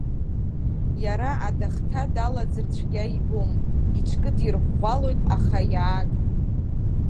Иара адахҭа далаӡыр цәгьа ибом, иҽкыдирӷәӷәалоит, аха иааг.